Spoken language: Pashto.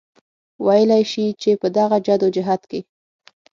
وئيلی شي چې پۀ دغه جدوجهد کې